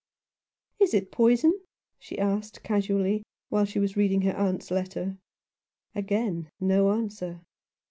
" Is it poison ?" she asked casually, while she was reading her aunt's letter. Again no answer.